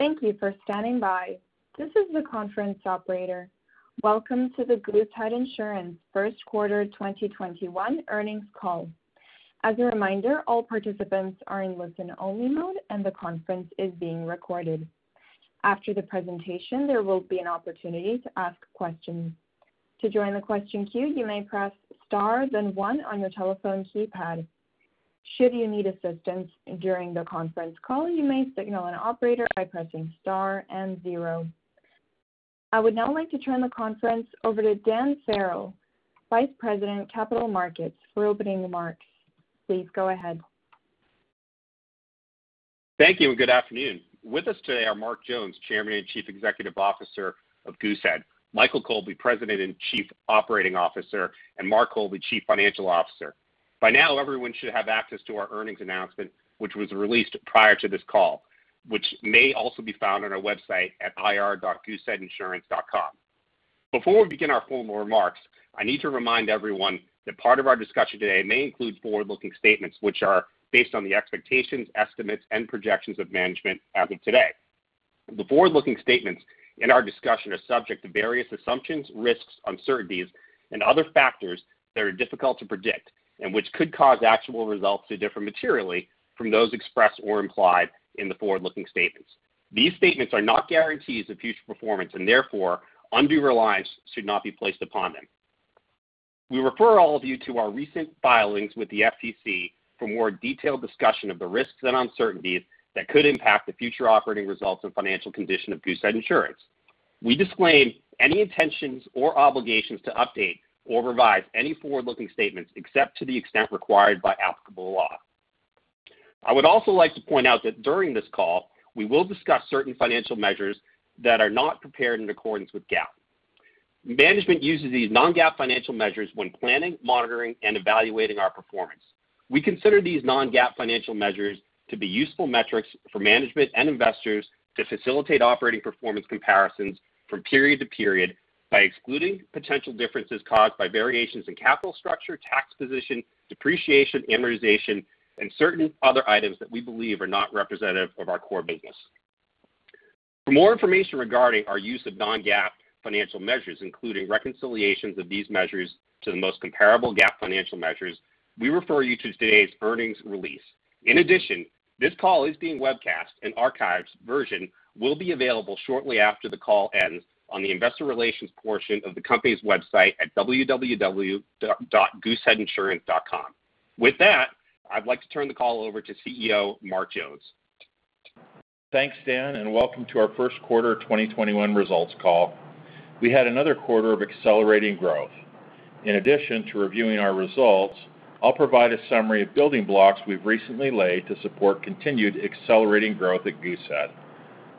Welcome to the Goosehead Insurance first quarter 2021 earnings call. As a reminder, all participants are in listen-only mode, and the conference is being recorded. After the presentation, there will be an opportunity to ask questions. To join the question queue, you may press star then one on your telephone keypad. Should you need assistance during the conference call, you may signal an operator by pressing star and zero. I would now like to turn the conference over to Dan Farrell, Vice President, Capital Markets, for opening remarks. Please go ahead. Thank you, and good afternoon. With us today are Mark Jones, Chairman and Chief Executive Officer of Goosehead, Michael Colby, President and Chief Operating Officer, and Mark Colby, Chief Financial Officer. By now, everyone should have access to our earnings announcement, which was released prior to this call, which may also be found on our website at ir.gooseheadinsurance.com. Before we begin our formal remarks, I need to remind everyone that part of our discussion today may include forward-looking statements which are based on the expectations, estimates, and projections of management as of today. The forward-looking statements in our discussion are subject to various assumptions, risks, uncertainties, and other factors that are difficult to predict and which could cause actual results to differ materially from those expressed or implied in the forward-looking statements. These statements are not guarantees of future performance, and therefore, undue reliance should not be placed upon them. We refer all of you to our recent filings with the SEC for more detailed discussion of the risks and uncertainties that could impact the future operating results and financial condition of Goosehead Insurance. We disclaim any intentions or obligations to update or revise any forward-looking statements except to the extent required by applicable law. I would also like to point out that during this call, we will discuss certain financial measures that are not prepared in accordance with GAAP. Management uses these non-GAAP financial measures when planning, monitoring, and evaluating our performance. We consider these non-GAAP financial measures to be useful metrics for management and investors to facilitate operating performance comparisons from period to period by excluding potential differences caused by variations in capital structure, tax position, depreciation, amortization, and certain other items that we believe are not representative of our core business. For more information regarding our use of non-GAAP financial measures, including reconciliations of these measures to the most comparable GAAP financial measures, we refer you to today's earnings release. In addition, this call is being webcast, and archived version will be available shortly after the call ends on the investor relations portion of the company's website at www.gooseheadinsurance.com. With that, I'd like to turn the call over to CEO Mark Jones. Thanks, Dan. Welcome to our first quarter 2021 results call. We had another quarter of accelerating growth. In addition to reviewing our results, I'll provide a summary of building blocks we've recently laid to support continued accelerating growth at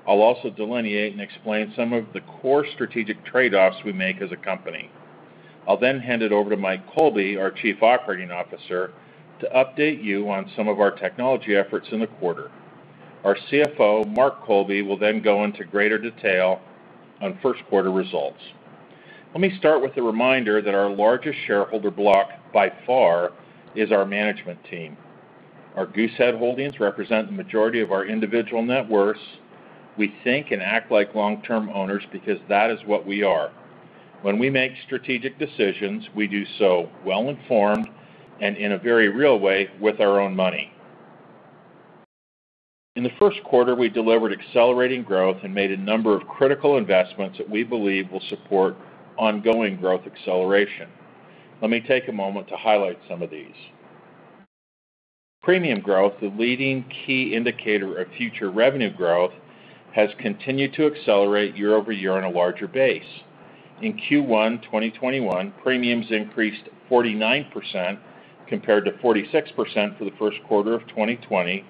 Goosehead. I'll also delineate and explain some of the core strategic trade-offs we make as a company. I'll then hand it over to Mike Colby, our Chief Operating Officer, to update you on some of our technology efforts in the quarter. Our CFO, Mark Colby, will then go into greater detail on first quarter results. Let me start with a reminder that our largest shareholder block by far is our management team. Our Goosehead holdings represent the majority of our individual net worths. We think and act like long-term owners because that is what we are. When we make strategic decisions, we do so well-informed and in a very real way with our own money. In the first quarter, we delivered accelerating growth and made a number of critical investments that we believe will support ongoing growth acceleration. Let me take a moment to highlight some of these. Premium growth, the leading key indicator of future revenue growth, has continued to accelerate year-over-year on a larger base. In Q1 2021, premiums increased 49% compared to 46% for the first quarter of 2020,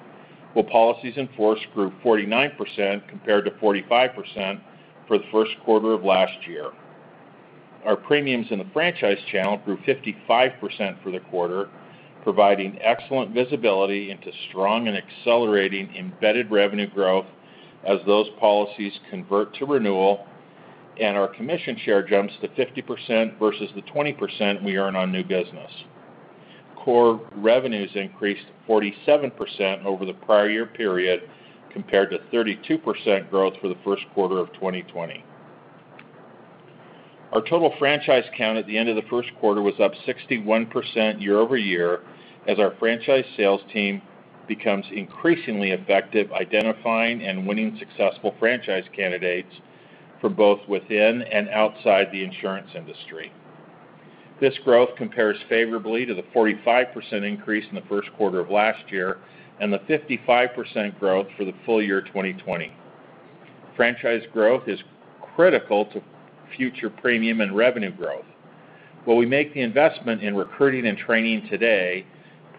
while policies in force grew 49% compared to 45% for the first quarter of last year. Our premiums in the franchise channel grew 55% for the quarter, providing excellent visibility into strong and accelerating embedded revenue growth as those policies convert to renewal and our commission share jumps to 50% versus the 20% we earn on new business. Core revenues increased 47% over the prior year period compared to 32% growth for the first quarter of 2020. Our total franchise count at the end of the first quarter was up 61% year-over-year as our franchise sales team becomes increasingly effective identifying and winning successful franchise candidates for both within and outside the insurance industry. This growth compares favorably to the 45% increase in the first quarter of last year and the 55% growth for the full year 2020. Franchise growth is critical to future premium and revenue growth. While we make the investment in recruiting and training today,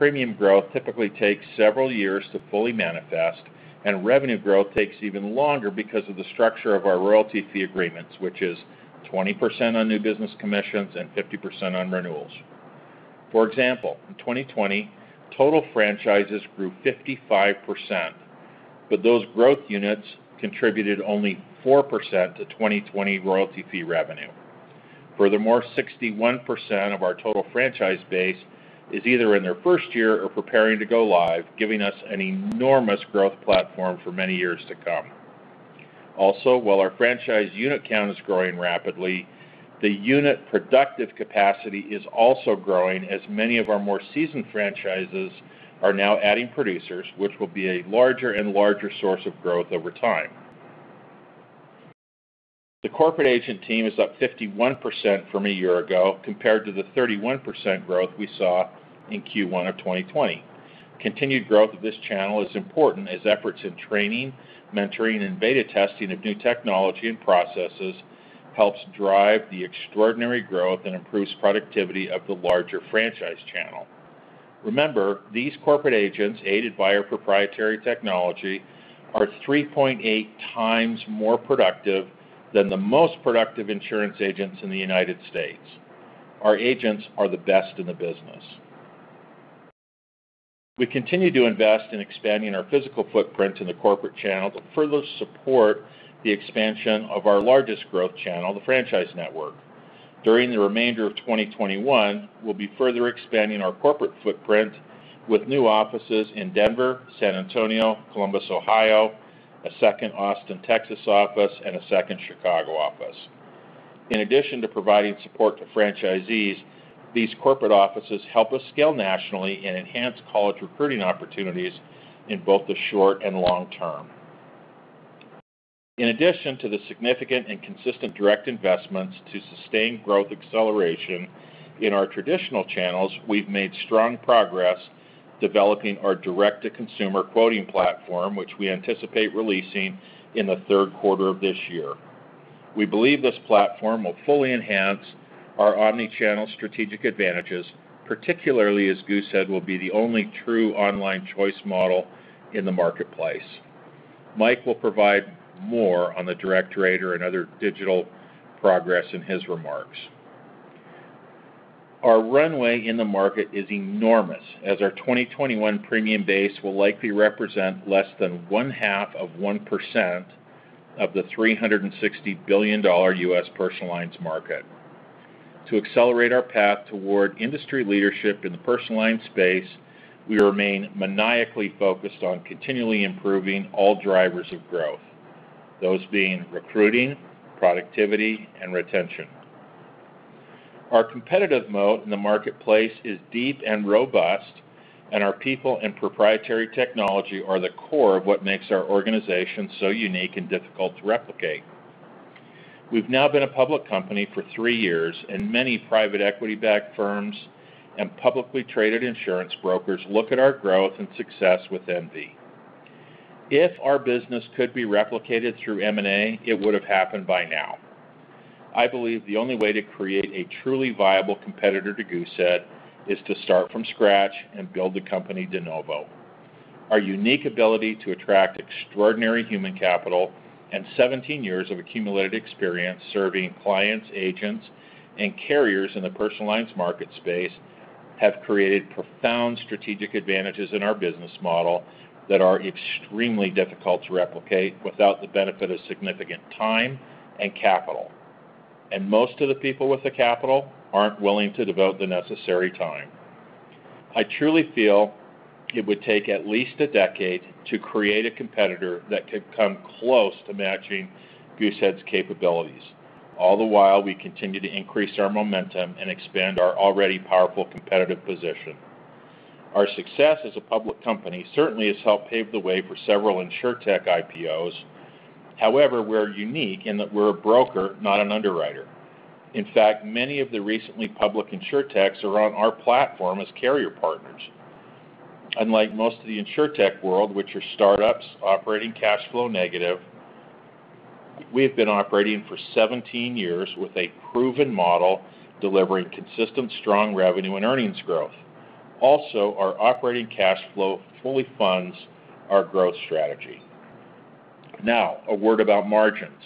premium growth typically takes several years to fully manifest, and revenue growth takes even longer because of the structure of our royalty fee agreements, which is 20% on new business commissions and 50% on renewals. For example, in 2020, total franchises grew 55%, but those growth units contributed only 4% to 2020 royalty fee revenue. Furthermore, 61% of our total franchise base is either in their first year or preparing to go live, giving us an enormous growth platform for many years to come. Also, while our franchise unit count is growing rapidly, the unit productive capacity is also growing, as many of our more seasoned franchises are now adding producers, which will be a larger and larger source of growth over time. The corporate agent team is up 51% from a year ago compared to the 31% growth we saw in Q1 of 2020. Continued growth of this channel is important as efforts in training, mentoring, and beta testing of new technology and processes helps drive the extraordinary growth and improves productivity of the larger franchise channel. Remember, these corporate agents, aided by our proprietary technology, are 3.8 times more productive than the most productive insurance agents in the United States. Our agents are the best in the business. We continue to invest in expanding our physical footprint in the corporate channel to further support the expansion of our largest growth channel, the franchise network. During the remainder of 2021, we'll be further expanding our corporate footprint with new offices in Denver, San Antonio, Columbus, Ohio, a second Austin, Texas office, and a second Chicago office. In addition to providing support to franchisees, these corporate offices help us scale nationally and enhance college recruiting opportunities in both the short and long term. In addition to the significant and consistent direct investments to sustain growth acceleration in our traditional channels, we've made strong progress developing our direct-to-consumer quoting platform, which we anticipate releasing in the third quarter of this year. We believe this platform will fully enhance our omni-channel strategic advantages, particularly as Goosehead will be the only true online choice model in the marketplace. Mike will provide more on the direct rater and other digital progress in his remarks. Our runway in the market is enormous, as our 2021 premium base will likely represent less than 0.5 of 1% of the $360 billion U.S. personal lines market. To accelerate our path toward industry leadership in the personal line space, we remain maniacally focused on continually improving all drivers of growth, those being recruiting, productivity, and retention. Our competitive moat in the marketplace is deep and robust. Our people and proprietary technology are the core of what makes our organization so unique and difficult to replicate. We've now been a public company for three years. Many private equity-backed firms and publicly traded insurance brokers look at our growth and success with envy. If our business could be replicated through M&A, it would have happened by now. I believe the only way to create a truly viable competitor to Goosehead is to start from scratch and build the company de novo. Our unique ability to attract extraordinary human capital and 17 years of accumulated experience serving clients, agents, and carriers in the personal lines market space have created profound strategic advantages in our business model that are extremely difficult to replicate without the benefit of significant time and capital. Most of the people with the capital aren't willing to devote the necessary time. I truly feel it would take at least a decade to create a competitor that could come close to matching Goosehead's capabilities. All the while, we continue to increase our momentum and expand our already powerful competitive position. Our success as a public company certainly has helped pave the way for several insurtech IPOs. However, we're unique in that we're a broker, not an underwriter. In fact, many of the recently public insurtechs are on our platform as carrier partners. Unlike most of the insurtech world, which are startups operating cash flow negative, we have been operating for 17 years with a proven model delivering consistent strong revenue and earnings growth. Also, our operating cash flow fully funds our growth strategy. Now, a word about margins.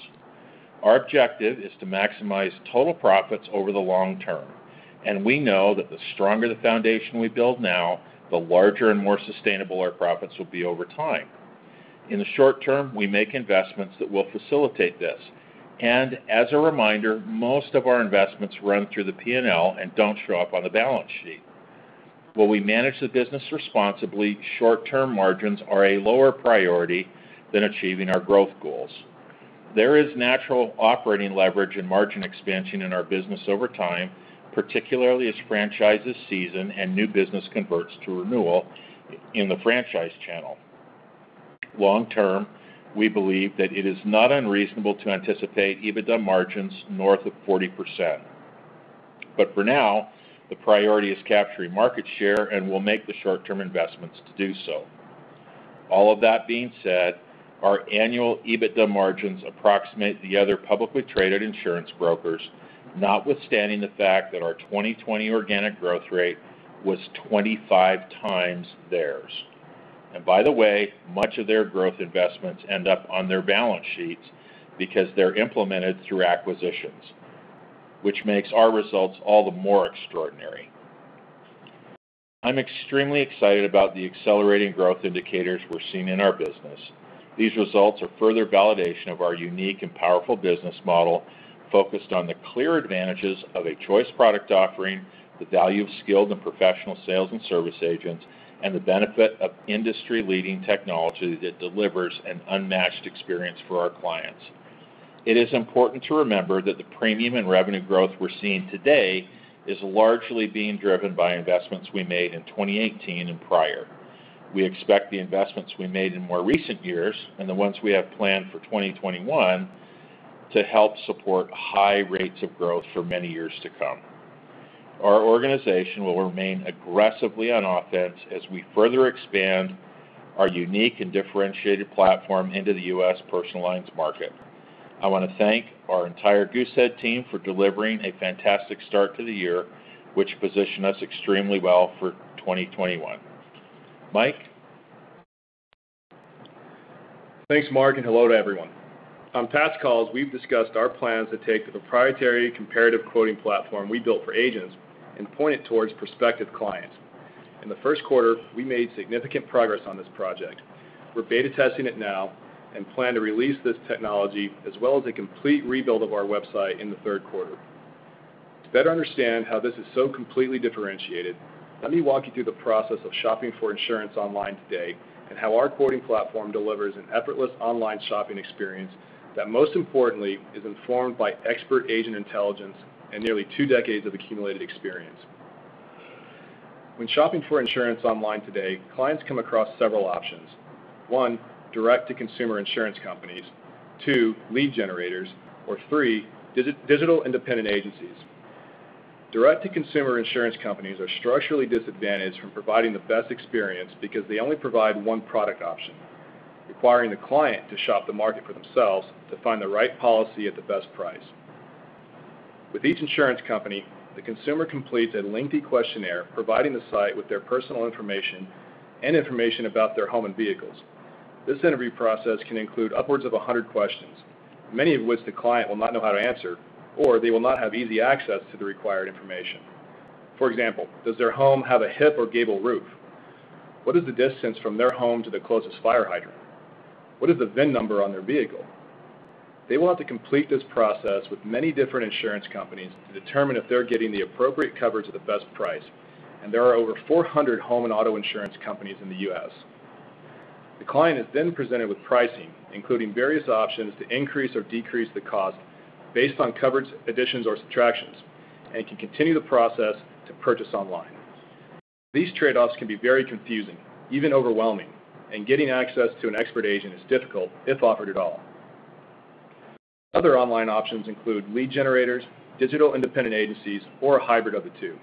Our objective is to maximize total profits over the long term, and we know that the stronger the foundation we build now, the larger and more sustainable our profits will be over time. In the short term, we make investments that will facilitate this, and as a reminder, most of our investments run through the P&L and don't show up on the balance sheet. While we manage the business responsibly, short-term margins are a lower priority than achieving our growth goals. There is natural operating leverage and margin expansion in our business over time, particularly as franchises season and new business converts to renewal in the franchise channel. Long term, we believe that it is not unreasonable to anticipate EBITDA margins north of 40%, but for now, the priority is capturing market share, and we'll make the short-term investments to do so. All of that being said, our annual EBITDA margins approximate the other publicly traded insurance brokers, notwithstanding the fact that our 2020 organic growth rate was 25 times theirs. By the way, much of their growth investments end up on their balance sheets because they're implemented through acquisitions, which makes our results all the more extraordinary. I'm extremely excited about the accelerating growth indicators we're seeing in our business. These results are further validation of our unique and powerful business model, focused on the clear advantages of a choice product offering, the value of skilled and professional sales and service agents, and the benefit of industry-leading technology that delivers an unmatched experience for our clients. It is important to remember that the premium and revenue growth we're seeing today is largely being driven by investments we made in 2018 and prior. We expect the investments we made in more recent years, and the ones we have planned for 2021, to help support high rates of growth for many years to come. Our organization will remain aggressively on offense as we further expand our unique and differentiated platform into the U.S. personal lines market. I want to thank our entire Goosehead team for delivering a fantastic start to the year, which positioned us extremely well for 2021. Mike? Thanks, Mark. Hello to everyone. On past calls, we've discussed our plans to take the proprietary comparative quoting platform we built for agents and point it towards prospective clients. In the first quarter, we made significant progress on this project. We're beta testing it now and plan to release this technology as well as a complete rebuild of our website in the third quarter. To better understand how this is so completely differentiated, let me walk you through the process of shopping for insurance online today and how our quoting platform delivers an effortless online shopping experience that most importantly is informed by expert agent intelligence and nearly two decades of accumulated experience. When shopping for insurance online today, clients come across several options. One, direct-to-consumer insurance companies, two, lead generators, or three, digital independent agencies. Direct-to-consumer insurance companies are structurally disadvantaged from providing the best experience because they only provide one product option, requiring the client to shop the market for themselves to find the right policy at the best price. With each insurance company, the consumer completes a lengthy questionnaire providing the site with their personal information and information about their home and vehicles. This interview process can include upwards of 100 questions, many of which the client will not know how to answer, or they will not have easy access to the required information. For example, does their home have a hip or gable roof? What is the distance from their home to the closest fire hydrant? What is the VIN number on their vehicle? They will have to complete this process with many different insurance companies to determine if they're getting the appropriate coverage at the best price, and there are over 400 home and auto insurance companies in the U.S. The client is then presented with pricing, including various options to increase or decrease the cost based on coverage additions or subtractions, and can continue the process to purchase online. These trade-offs can be very confusing, even overwhelming, and getting access to an expert agent is difficult, if offered at all. Other online options include lead generators, digital independent agencies, or a hybrid of the two.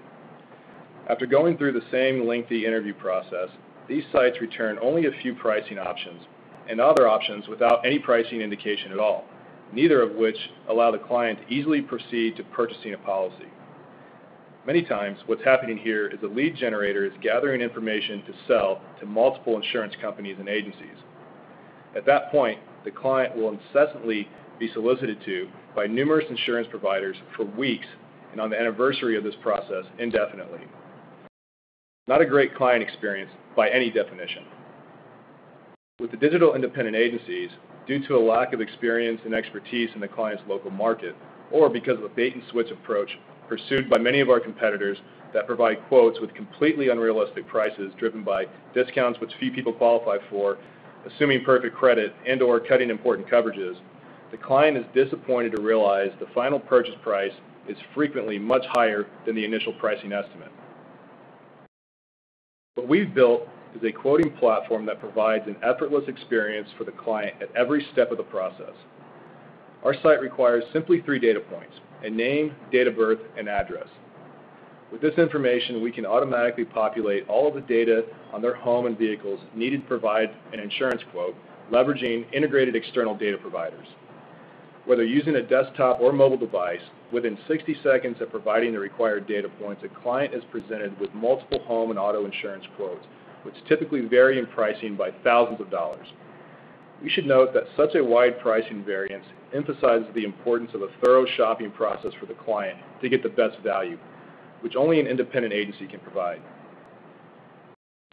After going through the same lengthy interview process, these sites return only a few pricing options and other options without any pricing indication at all, neither of which allow the client to easily proceed to purchasing a policy. Many times, what's happening here is the lead generator is gathering information to sell to multiple insurance companies and agencies. At that point, the client will incessantly be solicited to by numerous insurance providers for weeks, and on the anniversary of this process indefinitely. Not a great client experience by any definition. With the digital independent agencies, due to a lack of experience and expertise in the client's local market, or because of a bait-and-switch approach pursued by many of our competitors that provide quotes with completely unrealistic prices driven by discounts which few people qualify for, assuming perfect credit and/or cutting important coverages, the client is disappointed to realize the final purchase price is frequently much higher than the initial pricing estimate. What we've built is a quoting platform that provides an effortless experience for the client at every step of the process. Our site requires simply three data points, a name, date of birth, and address. With this information, we can automatically populate all of the data on their home and vehicles needed to provide an insurance quote leveraging integrated external data providers. Whether using a desktop or mobile device, within 60 seconds of providing the required data points, a client is presented with multiple home and auto insurance quotes, which typically vary in pricing by thousands of dollars. You should note that such a wide pricing variance emphasizes the importance of a thorough shopping process for the client to get the best value, which only an independent agency can provide.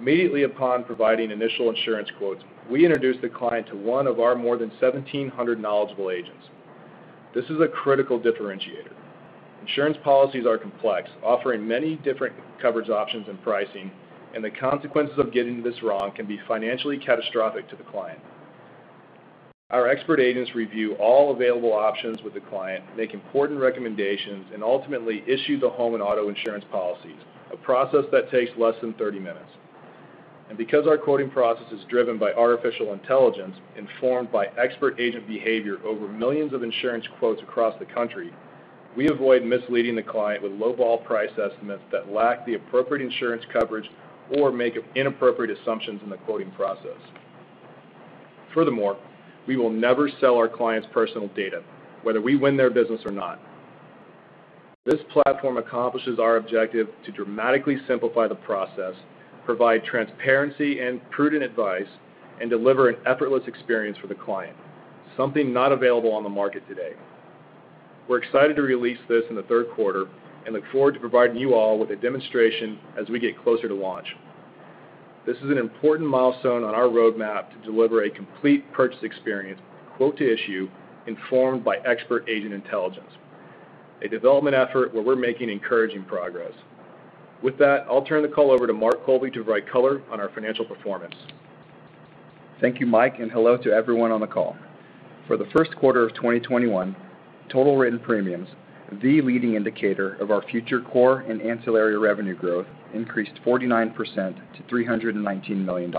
Immediately upon providing initial insurance quotes, we introduce the client to one of our more than 1,700 knowledgeable agents. This is a critical differentiator. Insurance policies are complex, offering many different coverage options and pricing, and the consequences of getting this wrong can be financially catastrophic to the client. Our expert agents review all available options with the client, make important recommendations, and ultimately issue the home and auto insurance policies, a process that takes less than 30 minutes. Because our quoting process is driven by artificial intelligence, informed by expert agent behavior over millions of insurance quotes across the country, we avoid misleading the client with low-ball price estimates that lack the appropriate insurance coverage or make inappropriate assumptions in the quoting process. Furthermore, we will never sell our clients' personal data, whether we win their business or not. This platform accomplishes our objective to dramatically simplify the process, provide transparency and prudent advice, and deliver an effortless experience for the client, something not available on the market today. We're excited to release this in the third quarter and look forward to providing you all with a demonstration as we get closer to launch. This is an important milestone on our roadmap to deliver a complete purchase experience, quote to issue, informed by expert agent intelligence, a development effort where we're making encouraging progress. With that, I'll turn the call over to Mark Colby to provide color on our financial performance. Thank you, Mike, and hello to everyone on the call. For the first quarter of 2021, total written premiums, the leading indicator of our future core and ancillary revenue growth, increased 49% to $319 million.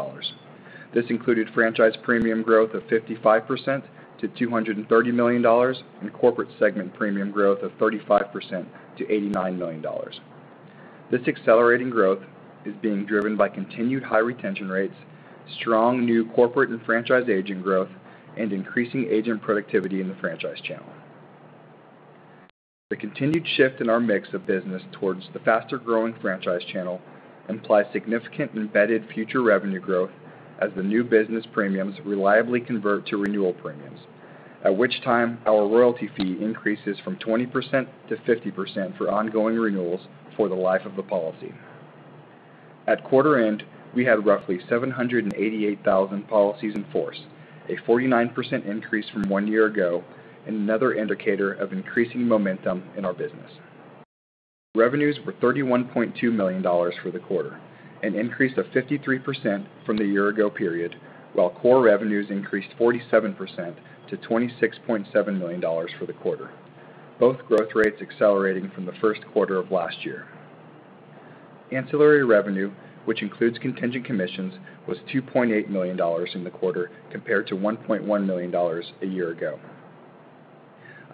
This included franchise premium growth of 55% to $230 million and corporate segment premium growth of 35% to $89 million. This accelerating growth is being driven by continued high retention rates, strong new corporate and franchise agent growth, and increasing agent productivity in the franchise channel. The continued shift in our mix of business towards the faster-growing franchise channel implies significant embedded future revenue growth as the new business premiums reliably convert to renewal premiums, at which time our royalty fee increases from 20% to 50% for ongoing renewals for the life of the policy. At quarter end, we had roughly 788,000 policies in force, a 49% increase from one year ago and another indicator of increasing momentum in our business. Revenues were $31.2 million for the quarter, an increase of 53% from the year ago period, while core revenues increased 47% to $26.7 million for the quarter, both growth rates accelerating from the first quarter of last year. Ancillary revenue, which includes contingent commissions, was $2.8 million in the quarter compared to $1.1 million a year ago.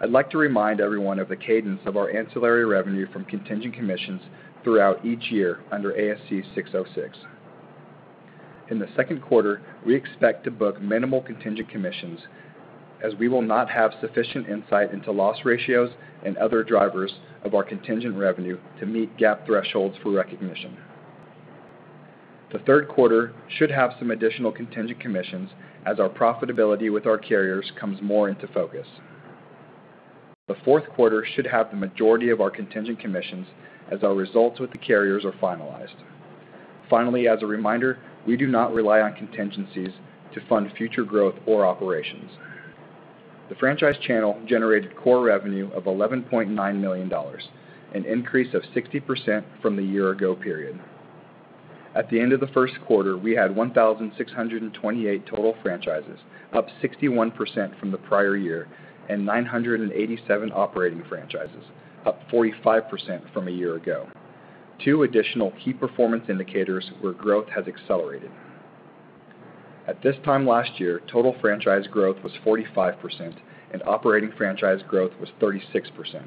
I'd like to remind everyone of the cadence of our ancillary revenue from contingent commissions throughout each year under ASC 606. In the second quarter, we expect to book minimal contingent commissions as we will not have sufficient insight into loss ratios and other drivers of our contingent revenue to meet GAAP thresholds for recognition. The third quarter should have some additional contingent commissions as our profitability with our carriers comes more into focus. The fourth quarter should have the majority of our contingent commissions as our results with the carriers are finalized. Finally, as a reminder, we do not rely on contingencies to fund future growth or operations. The franchise channel generated core revenue of $11.9 million, an increase of 60% from the year ago period. At the end of the first quarter, we had 1,628 total franchises, up 61% from the prior year, and 987 operating franchises, up 45% from a year ago. Two additional key performance indicators where growth has accelerated. At this time last year, total franchise growth was 45% and operating franchise growth was 36%.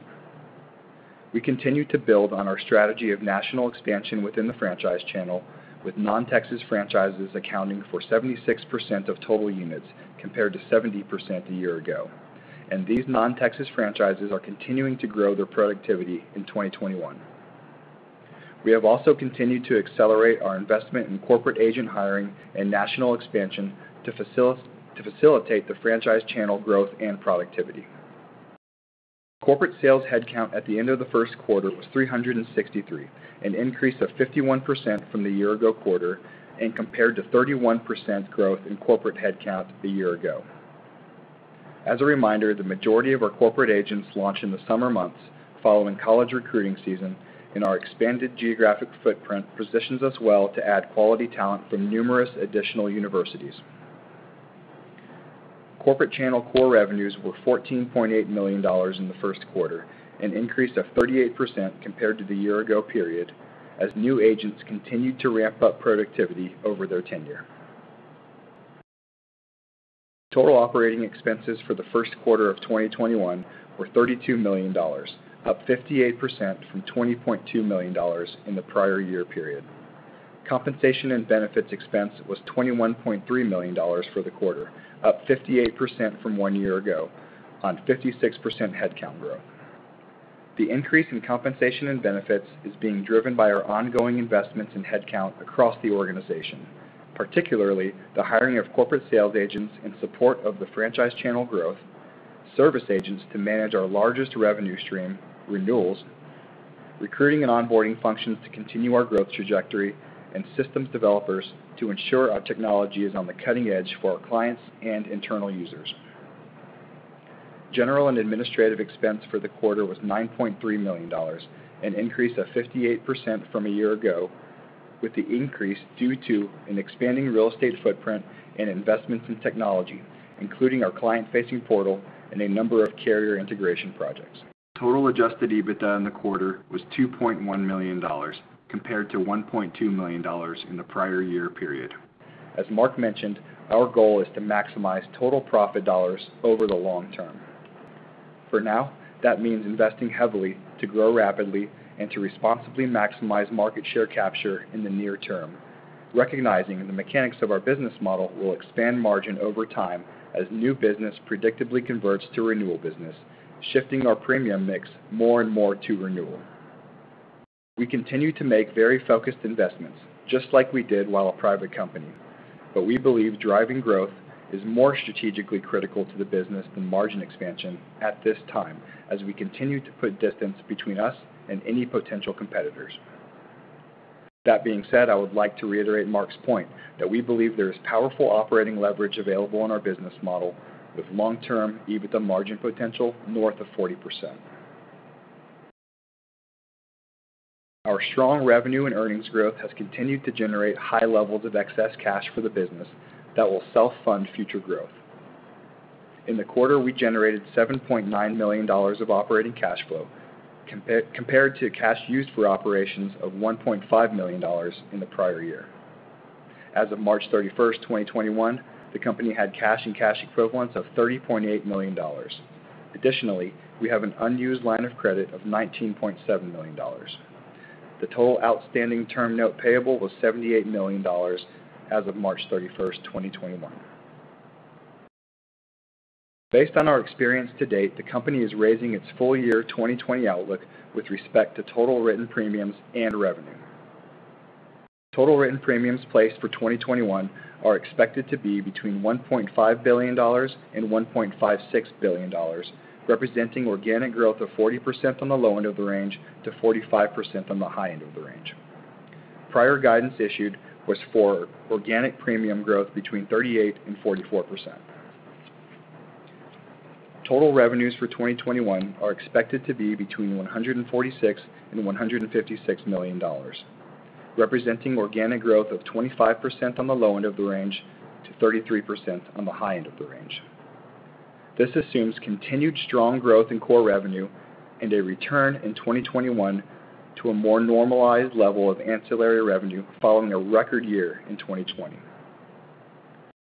We continue to build on our strategy of national expansion within the franchise channel with non-Texas franchises accounting for 76% of total units compared to 70% a year ago. These non-Texas franchises are continuing to grow their productivity in 2021. We have also continued to accelerate our investment in corporate agent hiring and national expansion to facilitate the franchise channel growth and productivity. Corporate sales headcount at the end of the first quarter was 363, an increase of 51% from the year ago quarter and compared to 31% growth in corporate headcount a year ago. As a reminder, the majority of our corporate agents launch in the summer months following college recruiting season, and our expanded geographic footprint positions us well to add quality talent from numerous additional universities. Corporate channel core revenues were $14.8 million in the first quarter, an increase of 38% compared to the year ago period as new agents continued to ramp up productivity over their tenure. Total operating expenses for the first quarter of 2021 were $32 million, up 58% from $20.2 million in the prior year period. Compensation and benefits expense was $21.3 million for the quarter, up 58% from one year ago on 56% headcount growth. The increase in compensation and benefits is being driven by our ongoing investments in headcount across the organization, particularly the hiring of corporate sales agents in support of the franchise channel growth, service agents to manage our largest revenue stream, renewals, recruiting and onboarding functions to continue our growth trajectory, and systems developers to ensure our technology is on the cutting edge for our clients and internal users. General and administrative expense for the quarter was $9.3 million, an increase of 58% from a year ago, with the increase due to an expanding real estate footprint and investments in technology, including our client-facing portal and a number of carrier integration projects. Total adjusted EBITDA in the quarter was $2.1 million compared to $1.2 million in the prior year period. As Mark mentioned, our goal is to maximize total profit dollars over the long term. For now, that means investing heavily to grow rapidly and to responsibly maximize market share capture in the near term, recognizing the mechanics of our business model will expand margin over time as new business predictably converts to renewal business, shifting our premium mix more and more to renewal. We continue to make very focused investments, just like we did while a private company. We believe driving growth is more strategically critical to the business than margin expansion at this time, as we continue to put distance between us and any potential competitors. That being said, I would like to reiterate Mark's point, that we believe there is powerful operating leverage available in our business model with long-term EBITDA margin potential north of 40%. Our strong revenue and earnings growth has continued to generate high levels of excess cash for the business that will self-fund future growth. In the quarter, we generated $7.9 million of operating cash flow compared to cash used for operations of $1.5 million in the prior year. As of March 31st, 2021, the company had cash and cash equivalents of $30.8 million. Additionally, we have an unused line of credit of $19.7 million. The total outstanding term note payable was $78 million as of March 31st, 2021. Based on our experience to date, the company is raising its full year 2020 outlook with respect to total written premiums and revenue. Total written premiums placed for 2021 are expected to be between $1.5 billion and $1.56 billion, representing organic growth of 40% on the low end of the range to 45% on the high end of the range. Prior guidance issued was for organic premium growth between 38% and 44%. Total revenues for 2021 are expected to be between $146 million and $156 million, representing organic growth of 25% on the low end of the range to 33% on the high end of the range. This assumes continued strong growth in core revenue and a return in 2021 to a more normalized level of ancillary revenue following a record year in 2020.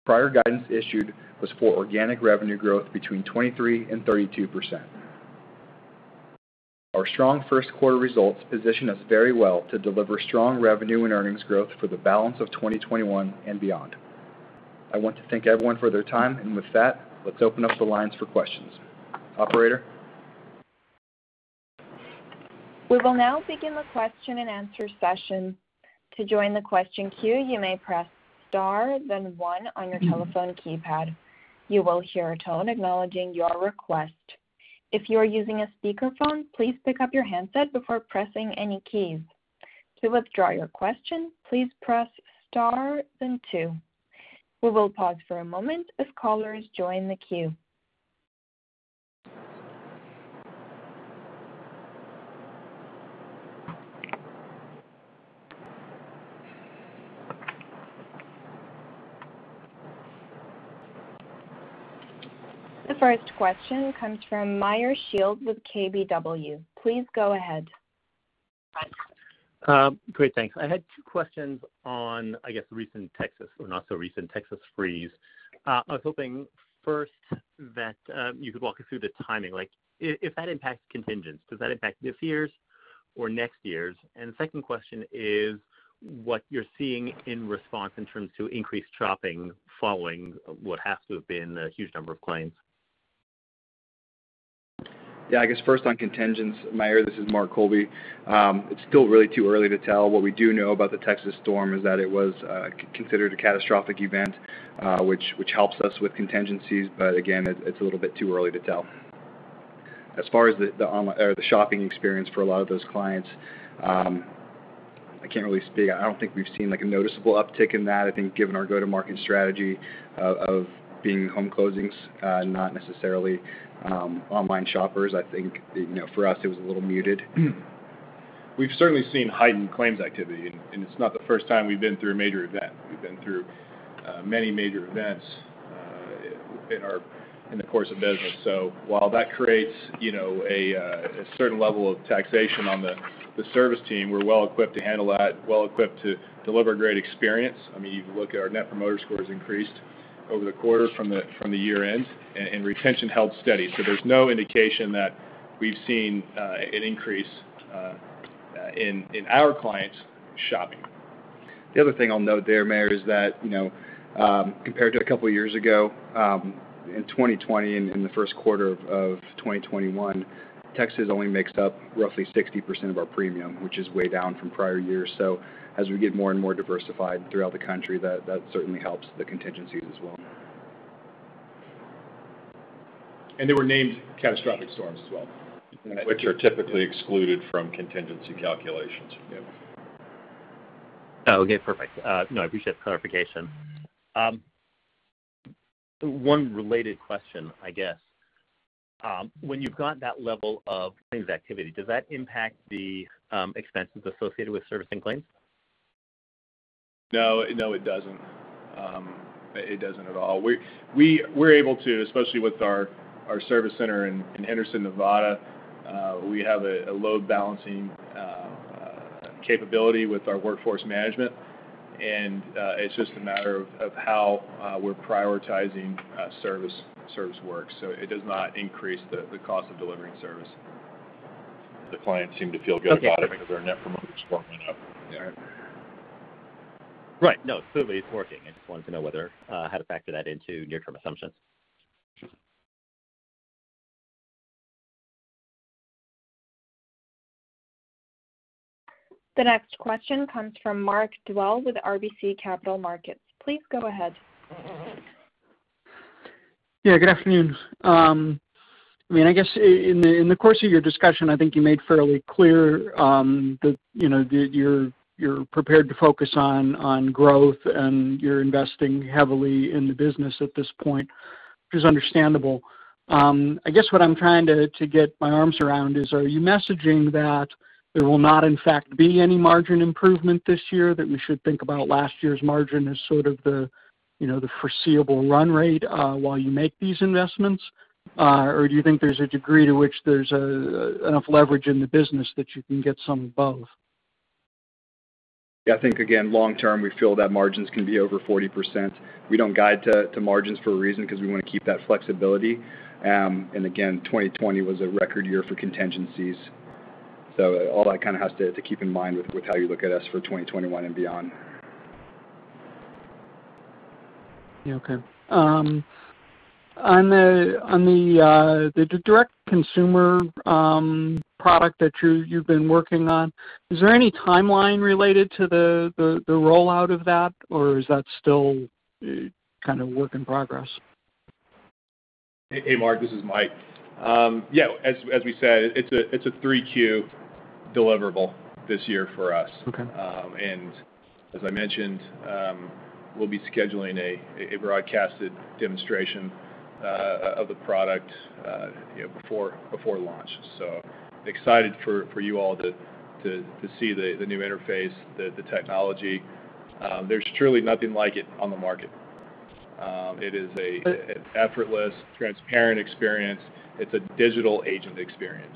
Prior guidance issued was for organic revenue growth between 23% and 32%. Our strong first quarter results position us very well to deliver strong revenue and earnings growth for the balance of 2021 and beyond. I want to thank everyone for their time, and with that, let's open up the lines for questions. Operator? The first question comes from Meyer Shields with KBW. Please go ahead. Great, thanks. I had two questions on, I guess, the recent Texas, or not so recent Texas freeze. I was hoping first that you could walk us through the timing. If that impacts contingents, does that impact this year's or next year's? The second question is what you're seeing in response in terms to increased shopping following what has to have been a huge number of claims. Yeah, I guess first on contingents, Meyer, this is Mark Colby. It's still really too early to tell. What we do know about the Texas storm is that it was considered a catastrophic event, which helps us with contingencies. Again, it's a little bit too early to tell. As far as the shopping experience for a lot of those clients, I can't really speak. I don't think we've seen a noticeable uptick in that. I think given our go-to-market strategy of being home closings, not necessarily online shoppers, I think for us it was a little muted. We've certainly seen heightened claims activity, and it's not the first time we've been through a major event. We've been through many major events in the course of business. While that creates a certain level of taxation on the service team, we're well equipped to handle that, well equipped to deliver a great experience. You can look at our Net Promoter Score has increased over the quarter from the year end, and retention held steady. There's no indication that we've seen an increase in our clients' shopping. The other thing I'll note there, Meyer, is that compared to a couple of years ago, in 2020 and in the first quarter of 2021, Texas only makes up roughly 60% of our premium, which is way down from prior years. As we get more and more diversified throughout the country, that certainly helps the contingencies as well. They were named catastrophic storms as well. Which are typically excluded from contingency calculations. Okay, perfect. No, I appreciate the clarification. One related question, I guess. When you've got that level of claims activity, does that impact the expenses associated with servicing claims? No, it doesn't. It doesn't at all. We're able to, especially with our service center in Henderson, Nevada, we have a load balancing capability with our workforce management, and it's just a matter of how we're prioritizing service work. It does not increase the cost of delivering service. The clients seem to feel good about it because their Net Promoter Score went up. Right. No, clearly it's working. I just wanted to know how to factor that into near term assumptions. The next question comes from Mark Dwelle with RBC Capital Markets. Please go ahead. Good afternoon. I guess in the course of your discussion, I think you made fairly clear that you're prepared to focus on growth and you're investing heavily in the business at this point, which is understandable. I guess what I'm trying to get my arms around is, are you messaging that there will not, in fact, be any margin improvement this year, that we should think about last year's margin as sort of the foreseeable run rate while you make these investments? Or do you think there's a degree to which there's enough leverage in the business that you can get some of both? Yeah, I think, again, long term, we feel that margins can be over 40%. We don't guide to margins for a reason, because we want to keep that flexibility. Again, 2020 was a record year for contingencies. All that kind of has to keep in mind with how you look at us for 2021 and beyond. Yeah, okay. On the direct consumer product that you've been working on, is there any timeline related to the rollout of that, or is that still kind of a work in progress? Hey, Mark, this is Mike. Yeah, as we said, it's a 3Q deliverable this year for us. Okay. As I mentioned, we'll be scheduling a broadcasted demonstration of the product before launch. Excited for you all to see the new interface, the technology. There's truly nothing like it on the market. It is an effortless, transparent experience. It's a digital agent experience.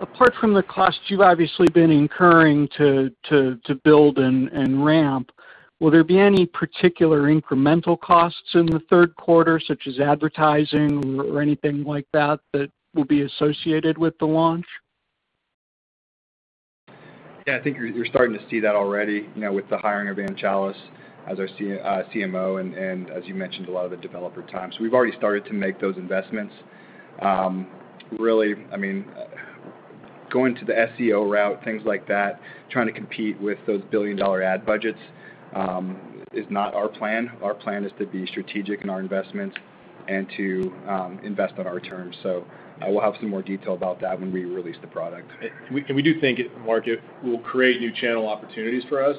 Apart from the costs you've obviously been incurring to build and ramp, will there be any particular incremental costs in the third quarter, such as advertising or anything like that will be associated with the launch? Yeah, I think you're starting to see that already. With the hiring of Ann Challis as our CMO and as you mentioned, a lot of the developer time. We've already started to make those investments. Really, going to the SEO route, things like that, trying to compete with those billion-dollar ad budgets, is not our plan. Our plan is to be strategic in our investments and to invest on our terms. We'll have some more detail about that when we release the product. We do think it, Mark, will create new channel opportunities for us.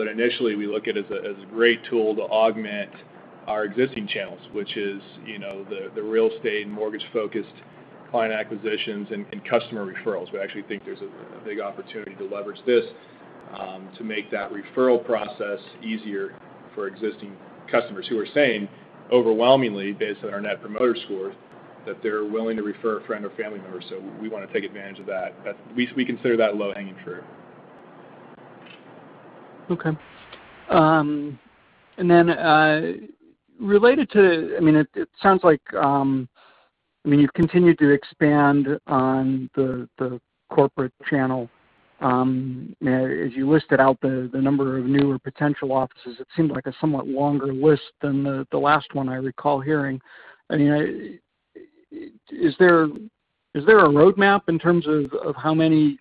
Initially, we look at it as a great tool to augment our existing channels, which is the real estate and mortgage-focused client acquisitions and customer referrals. We actually think there's a big opportunity to leverage this to make that referral process easier for existing customers who are saying overwhelmingly, based on our Net Promoter Score, that they're willing to refer a friend or family member. We want to take advantage of that. We consider that low-hanging fruit. Okay. It sounds like you've continued to expand on the corporate channel. As you listed out the number of new or potential offices, it seemed like a somewhat longer list than the last one I recall hearing. Is there a roadmap in terms of how many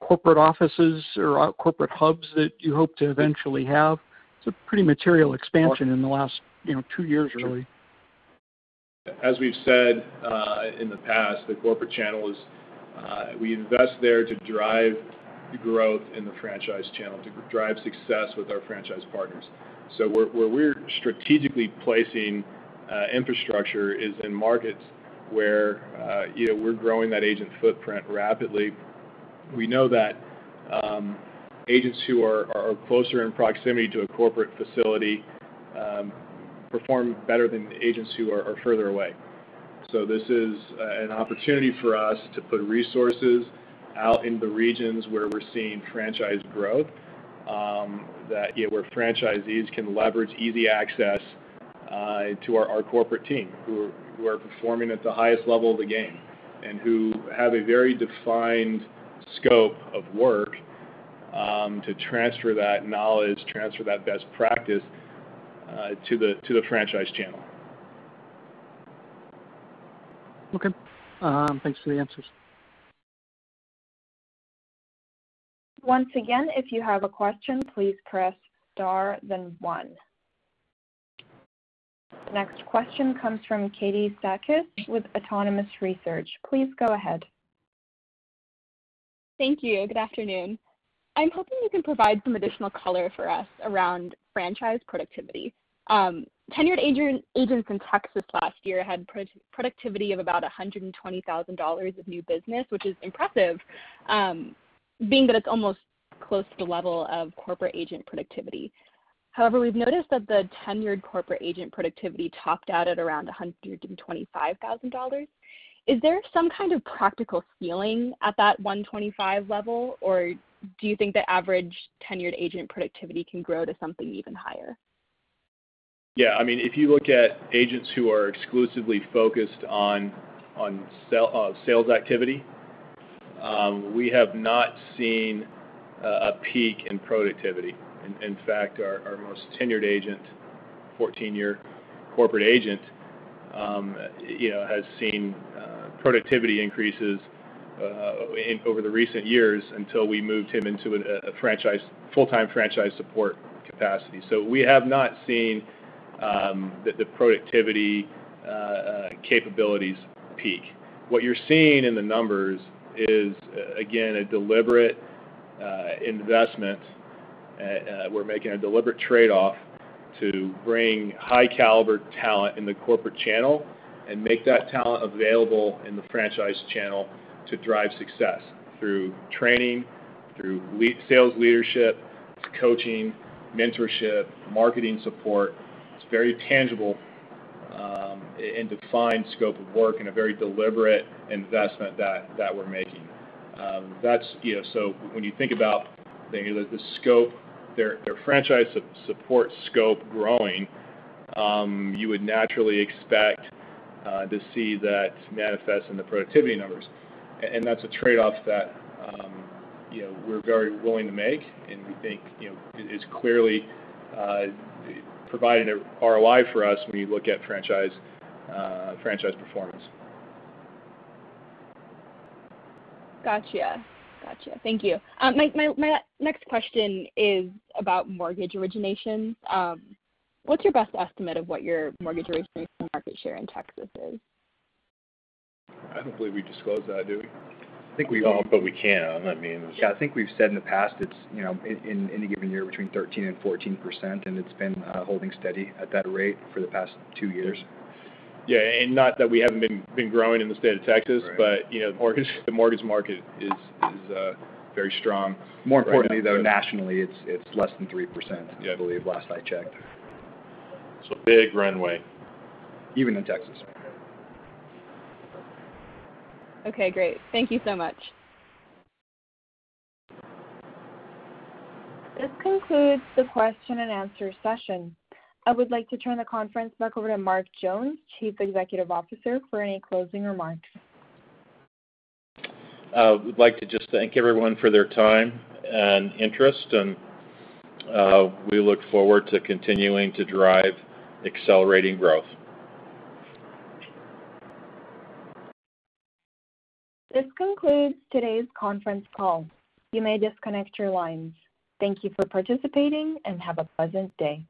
corporate offices or corporate hubs that you hope to eventually have? It's a pretty material expansion in the last two years, really. As we've said in the past, the corporate channels, we invest there to drive growth in the franchise channel, to drive success with our franchise partners. Where we're strategically placing infrastructure is in markets where we're growing that agent footprint rapidly. We know that agents who are closer in proximity to a corporate facility perform better than agents who are further away. This is an opportunity for us to put resources out into regions where we're seeing franchise growth, where franchisees can leverage easy access to our corporate team, who are performing at the highest level of the game, and who have a very defined scope of work to transfer that knowledge, transfer that best practice to the franchise channel. Okay. Thanks for the answers. Once again, if you have a question, please press star then one. The next question comes from Katie Sakys with Autonomous Research. Please go ahead. Thank you. Good afternoon. I'm hoping you can provide some additional color for us around franchise productivity. Tenured agents in Texas last year had productivity of about $120,000 of new business, which is impressive, being that it's almost close to the level of corporate agent productivity. We've noticed that the tenured corporate agent productivity topped out at around $125,000. Is there some kind of practical ceiling at that $125,000 level, or do you think the average tenured agent productivity can grow to something even higher? If you look at agents who are exclusively focused on sales activity. We have not seen a peak in productivity. In fact, our most tenured agent, 14-year corporate agent, has seen productivity increases over the recent years until we moved him into a full-time franchise support capacity. We have not seen the productivity capabilities peak. What you're seeing in the numbers is, again, a deliberate investment. We're making a deliberate trade-off to bring high-caliber talent in the corporate channel and make that talent available in the franchise channel to drive success through training, through sales leadership, to coaching, mentorship, marketing support. It's very tangible and defined scope of work and a very deliberate investment that we're making. When you think about the franchise support scope growing, you would naturally expect to see that manifest in the productivity numbers. That's a trade-off that we're very willing to make, and we think it's clearly providing an ROI for us when you look at franchise performance. Got you. Thank you. My next question is about mortgage origination. What's your best estimate of what your mortgage origination market share in Texas is? I don't believe we disclose that, do we? I think. We can. I mean Yeah, I think we've said in the past it's, in any given year, between 13% and 14%, and it's been holding steady at that rate for the past two years. Yeah, not that we haven't been growing in the state of Texas. Right. The mortgage market is very strong. More importantly, though, nationally, it's less than 3%. Yeah. I believe, last I checked. Big runway. Even in Texas. Okay, great. Thank you so much. This concludes the question and answer session. I would like to turn the conference back over to Mark Jones, Chief Executive Officer, for any closing remarks. I would like to just thank everyone for their time and interest, and we look forward to continuing to drive accelerating growth. This concludes today's conference call. You may disconnect your lines. Thank you for participating, and have a pleasant day.